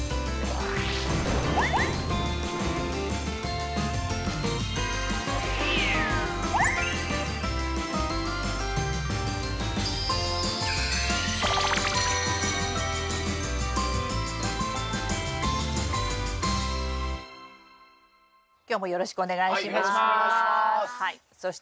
はい。